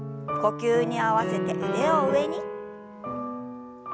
呼吸に合わせて腕を上に。